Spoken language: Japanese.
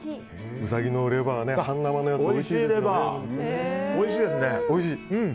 ウサギのレバー半生のやつおいしいですよね。